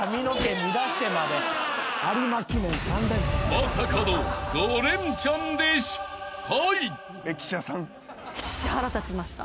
［まさかの５レンチャンで失敗！］